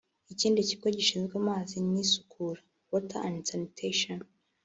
Ikindi kigo gishinzwe amazi n’isukura (Water and Sanitation)